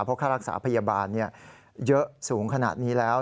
เพราะค่ารักษาพยาบาลเยอะสูงขนาดนี้แล้ว